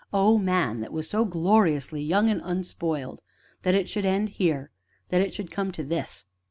Oh, man that was so gloriously young and unspoiled! that it should end here that it should come to this."